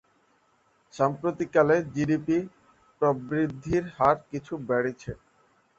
সাম্প্রতিককালে জিডিপি প্রবৃদ্ধির হার কিছু বেড়েছে।